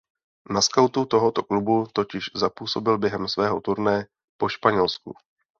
Na skauty tohoto klubu totiž zapůsobil během svého turné po Španělsku.